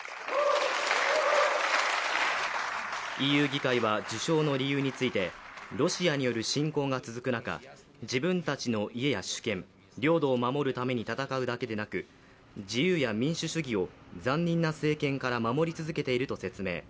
ＥＵ議会は授賞の理由についてロシアによる侵攻が続く中、自分たちの家や主権、領土を守るために戦うだけでなく、自由や民主主義を残忍な政権から守り続けていると説明。